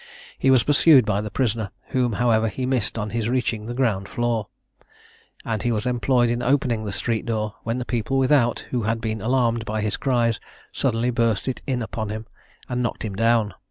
He was pursued by the prisoner, whom however he missed on his reaching the ground floor; and he was employed in opening the street door, when the people without, who had been alarmed by his cries, suddenly burst it in upon him, and knocked him down.